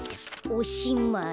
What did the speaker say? おしまい」。